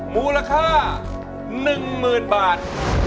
มูลค่า๑หมื่นบาท